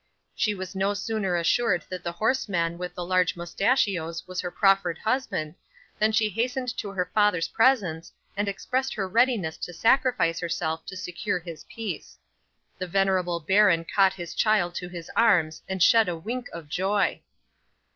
She was no sooner assured that the horseman with the large moustachios was her proffered husband, than she hastened to her father's presence, and expressed her readiness to sacrifice herself to secure his peace. The venerable baron caught his child to his arms, and shed a wink of joy.